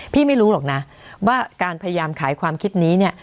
ไม่รู้หรอกนะว่าการพยายามขายความคิดนี้เนี่ย